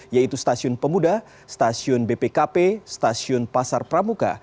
yaitu stasiun pemuda stasiun bpkp stasiun pasar pramuka